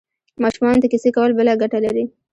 ماشومانو ته کیسې کول بله ګټه لري.